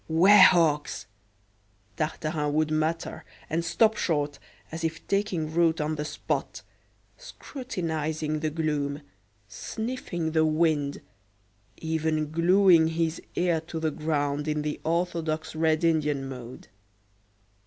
"Ware hawks!" Tartarin would mutter, and stop short, as if taking root on the spot, scrutinising the gloom, sniffing the wind, even glueing his ear to the ground in the orthodox Red Indian mode.